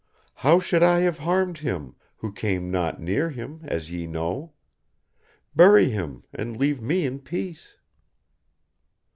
"How should I have harmed him, who came not near him, as ye know? Bury him, and leave me in peace."